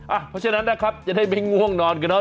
เอ่อเพราะฉะนั้นครับอย่าได้ไปง่วงนอนนะครับ